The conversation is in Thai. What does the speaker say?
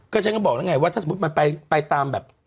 ฉันก็บอกแล้วไงว่าถ้าสมมุติมันไปตามแบบ